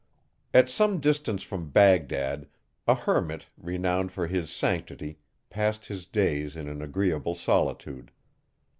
At some distance from Bagdad, a hermit, renowned for his sanctity, passed his days in an agreeable solitude.